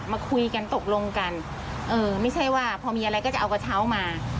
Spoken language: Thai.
มาคุยกันตกลงกันเออไม่ใช่ว่าพอมีอะไรก็จะเอากระเช้ามา